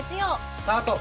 スタート！